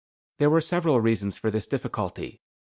There were several reasons for this difficulty.